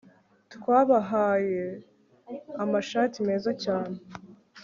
Twabahaye amashati meza cyane